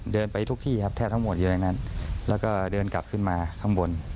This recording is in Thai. ไปทุกที่ครับแทบทั้งหมดอยู่ในนั้นแล้วก็เดินกลับขึ้นมาข้างบน